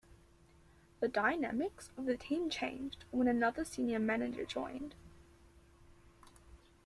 The dynamics of the team changed when another senior manager joined.